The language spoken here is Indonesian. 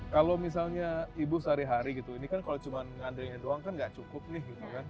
kalau misalnya ibu sehari hari gitu ini kan kalau cuma ngandreinnya doang kan enggak cukup nih